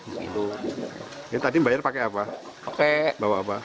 jadi tadi membayar pakai apa